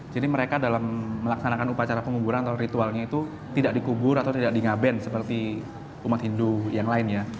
jadi mereka dalam melaksanakan upacara penguburan atau ritualnya itu tidak dikubur atau tidak di ngaben seperti umat hindu yang lain ya